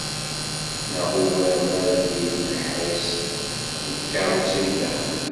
Neɣ ugar mi ara d-yili leḥris n tkerrusin daxel.